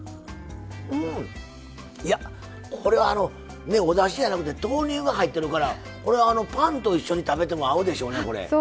うんいやこれはあのおだしじゃなくて豆乳が入ってるからこれはあのパンと一緒に食べても合うでしょうねこれ。